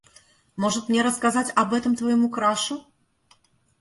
Может мне рассказать об этом твоему крашу?